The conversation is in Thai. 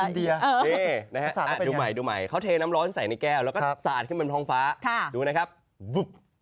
ดูใหม่ดูใหม่เขาเทน้ำร้อนใส่ในแก้วแล้วก็สาดขึ้นบนท้องฟ้าดูนะครับ